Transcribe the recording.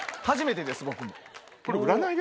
初めてです僕も。